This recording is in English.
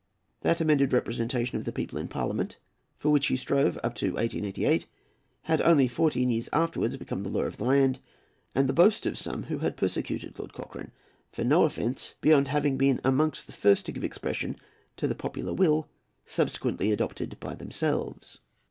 That amended representation of the people in Parliament, for which he strove up to 1818, had only fourteen years afterwards become the law of the land, and the boast of some who had persecuted Lord Cochrane for no offence beyond having been amongst the first to give expression to the popular will subsequently adopted by themselves.